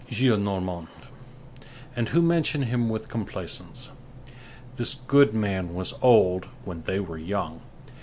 Gillenormand, and who mention him with complaisance. This good man was old when they were young.